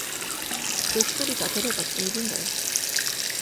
人ひとり立てれば充分だよ。